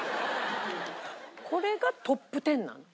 これがトップ１０なんだ？